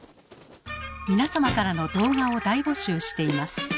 皆様の動画を大募集しています。